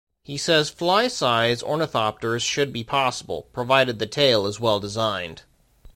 He says fly-size ornithopters should be possible, provided the tail is well designed.